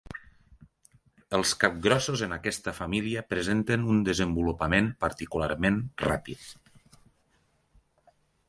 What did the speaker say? Els capgrossos en aquesta família presenten un desenvolupament particularment ràpid.